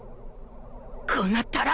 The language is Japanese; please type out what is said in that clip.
こうなったら